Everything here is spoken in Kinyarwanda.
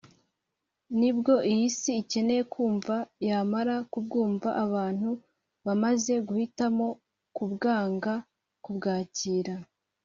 Nibwo iy‟isi ikeneye kumva yamara kubwumva abantu bamaze guhitamo kubwanga kubwakira